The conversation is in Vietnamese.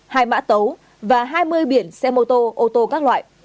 hai mã tấu và hai mươi biển xe mô tô ô tô các loại